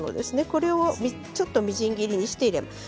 これをちょっとみじん切りにして入れます。